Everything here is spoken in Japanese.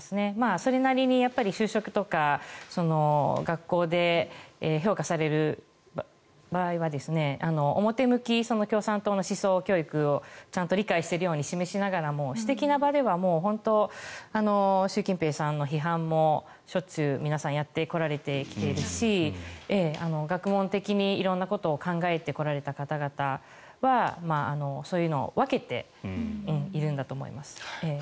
それなりに就職とか学校で評価される場合は表向き、共産党の思想教育をちゃんと理解しているように示しながらも私的な場では習近平さんの批判もしょっちゅう皆さんやってこられてきているし学問的に色んなことを考えてこられた方々はそういうのを分けているんだと思います。